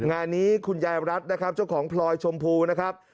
งานนี้คุณยายรัฐนะครับเจ้าของพลอยชมพูนะครับ